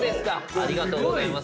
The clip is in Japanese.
ありがとうございます。